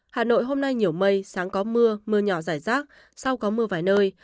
hà nội hôm nay nhiều mây sáng có mưa mưa nhỏ rải rác sau có mưa vài nơi